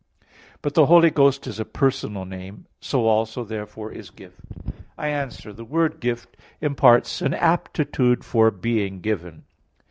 But the Holy Ghost is a personal name; so also therefore is "Gift." I answer that, The word "gift" imports an aptitude for being given.